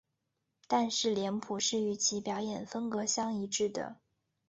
但是脸谱是与其表演风格相一致的。